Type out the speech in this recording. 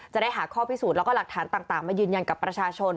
จะได้หาข้อพิสูจน์แล้วก็หลักฐานต่างมายืนยันกับประชาชน